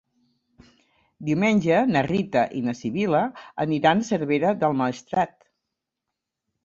Diumenge na Rita i na Sibil·la aniran a Cervera del Maestrat.